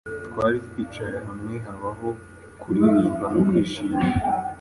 Twari twicaye hamwe Habaho kuririmba no kwishima